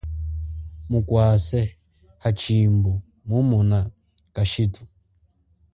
Mukwase, hashimbu mumona kashithu.